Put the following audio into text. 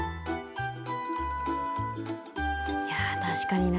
いや確かにな。